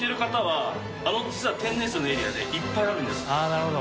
なるほど。